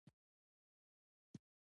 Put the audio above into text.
ژمی د افغان تاریخ په کتابونو کې ذکر شوی دي.